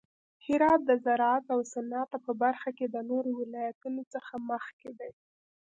هرات د زراعت او صنعت په برخه کې د نورو ولایتونو څخه مخکې دی.